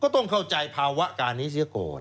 ต้องเข้าใจภาวะการนี้เสียก่อน